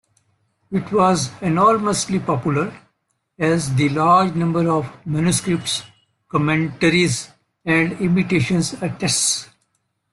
It was enormously popular, as the large number of manuscripts, commentaries, and imitations attests.